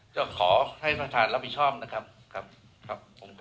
ก็ขอให้ประธานรับผิดชอบนะครับ